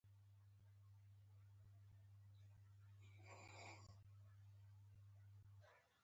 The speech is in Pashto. بوتل د کور پاک ساتلو سره مرسته کوي.